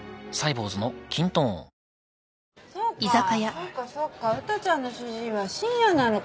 そうかそうかそうかうたちゃんの主治医は深夜なのか。